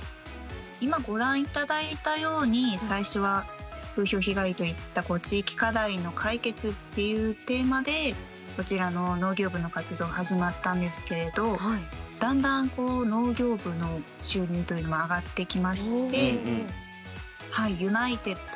今ご覧いただいたように最初は風評被害といった地域課題の解決っていうテーマでこちらの農業部の活動が始まったんですけれどだんだんでやっているというような状況です。